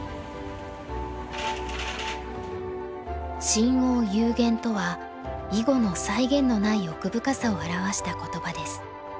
「深奥幽玄」とは囲碁の際限のない奥深さを表した言葉です。